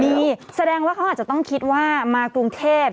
มีแสดงว่าเขาอาจจะต้องคิดว่ามากรุงเทพ